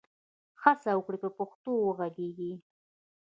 هڅه وکړئ په پښتو وږغېږئ.